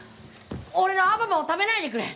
俺のアババを食べないでくれ！